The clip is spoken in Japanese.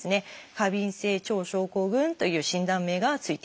「過敏性腸症候群」という診断名が付いていきます。